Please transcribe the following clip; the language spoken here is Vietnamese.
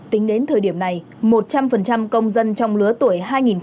tính đến thời điểm này một trăm linh công dân trong lứa tuổi hai nghìn bốn hai nghìn bảy